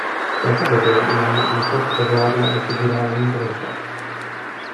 V této době u něj načas převládla i figurální kresba.